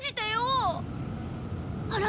あら？